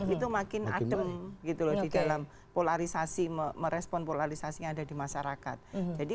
itu makin adem gitu loh di dalam polarisasi merespon polarisasi yang ada di masyarakat jadi